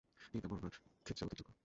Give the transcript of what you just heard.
তিনি তা বর্ণনার ক্ষেত্রে অধিক যোগ্য।